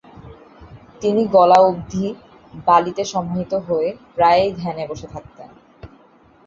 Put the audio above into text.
তিনি গলা অবধি বালিতে সমাহিত হয়ে, প্রায়ই ধ্যানে বসে থাকতেন।